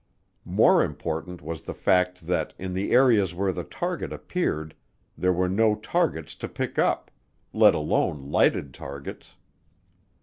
More important was the fact that in the area where the target appeared there were no targets to pick up let alone lighted targets.